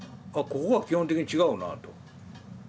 ここは基本的に違うなと。